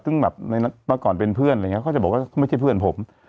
ซึ่งแบบเมื่อก่อนเป็นเพื่อนอะไรอย่างนี้เขาจะบอกว่าไม่ใช่เพื่อนผม